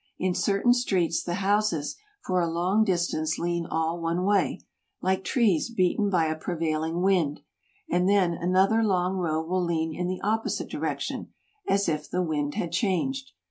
In certain streets the houses for a long distance lean all one way, like trees beaten by a prevailing wind ; and then another long row will lean in the opposite direction, as if the wind had changed.